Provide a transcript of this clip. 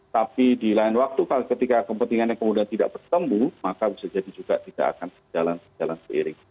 tapi di lain waktu ketika kepentingannya kemudian tidak bertemu maka bisa jadi juga tidak akan jalan seiring